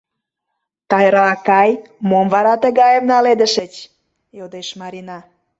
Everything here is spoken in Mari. — Тайра акай, мом вара тыгайым наледышыч? — йодеш Марина.